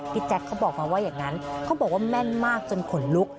แจ๊คเขาบอกมาว่าอย่างนั้นเขาบอกว่าแม่นมากจนขนลุก